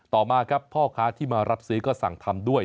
ต่อมาครับพ่อค้าที่มารับซื้อก็สั่งทำด้วย